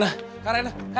kamu mulai membawanya abadi